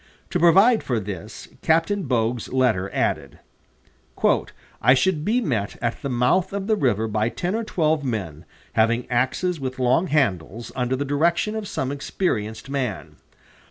To provide for this, Captain Bogue's letter added: "I should be met at the mouth of the river by ten or twelve men, having axes with long handles under the direction of some experienced man.